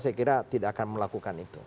saya kira tidak akan melakukan itu